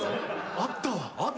あったわ。